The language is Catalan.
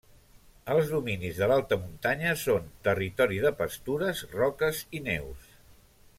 Els dominis de l'alta muntanya són territori de pastures, roques i neus.